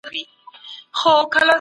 د دنیا لمن ده پراخه عیش